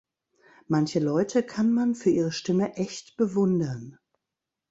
Manche Leute kann man für ihre Stimme echt bewundern.